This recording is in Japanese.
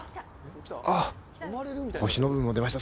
あっ、腰の部分も出ました。